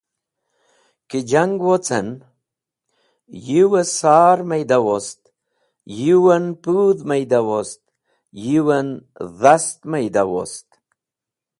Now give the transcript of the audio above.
Ki jang wocen, yũw-e sar mayda wost, yũwen pũdh mayda wost, yũwen dhast mayda wost.